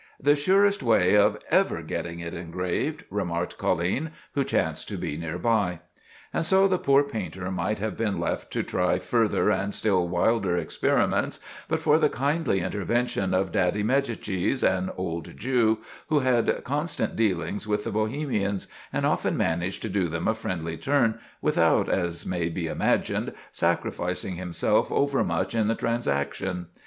—"The surest way of ever getting it engraved," remarked Colline, who chanced to be near by. And so the poor painter might have been left to try further and still wilder experiments, but for the kindly intervention of Daddy Médicis, an old Jew who had constant dealings with the Bohemians, and often managed to do them a friendly turn without, as may be imagined, sacrificing himself overmuch in the transaction.